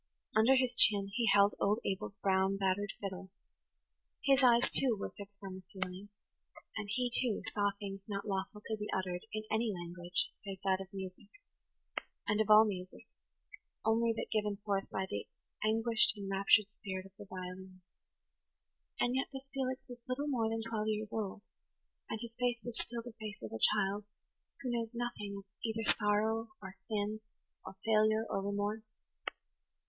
Under his chin he held old Abel's brown, battered fiddle; his eyes, too, were fixed on the ceiling; and he, [Page 80] too, saw things not lawful to be uttered in any language save that of music; and of all music, only that given forth by the anguished, enraptured spirit of the violin. And yet this Felix was little more than twelve years old, and his face was still the face of a child who knows nothing of either sorrow or sin or failure or remorse.